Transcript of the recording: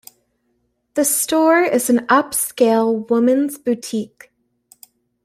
The store is an upscale women's boutique.